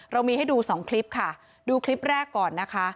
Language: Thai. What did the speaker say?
เรามีให้ดูสองคลิปค่ะดูคลิปแรกก่อนนะคะ